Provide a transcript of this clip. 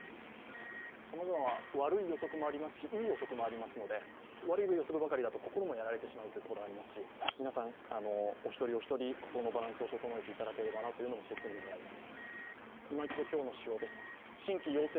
さまざまな悪い予測もありますし、いい予測もありますので悪い予測ばかりだと心がやられてしまうところもありますし皆さん、お一人お一人心のバランスを整えていただければと思います。